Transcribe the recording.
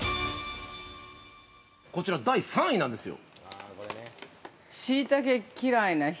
◆こちら第３位なんですよ。